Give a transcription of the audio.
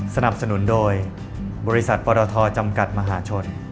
สนับสนุนโดยบริษัทปรทจำกัดมหาชน